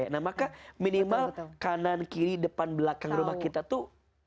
nah maka minimal kanan kiri depan belakang rumah kita tuh